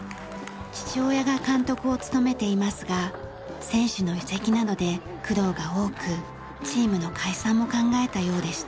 父親が監督を務めていますが選手の移籍などで苦労が多くチームの解散も考えたようでした。